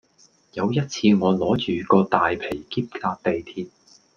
有一次我攞住個大皮喼搭地鐵